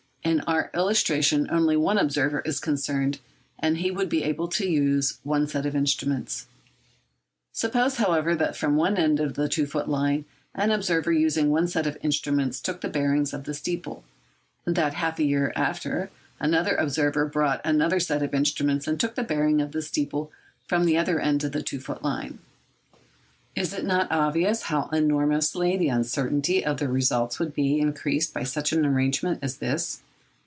In our illustration only one observer is concerned, and he would be able to use one set of instruments. Suppose, however, that from one end of the two feet line an observer using one set of instruments took the bearings of the steeple; and that, half a year after, another observer brought another set of instruments and took the bearing of the steeple from the other end of the two feet line, is it not obvious how enormously the uncertainty of the result would be increased by such an arrangement as this?